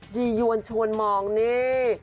ดียวนชวนมองนี้